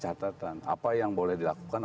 catatan apa yang boleh dilakukan